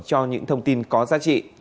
cho những thông tin có giá trị